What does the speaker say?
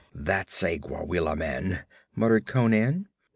'That's a Gwawela man,' muttered Conan.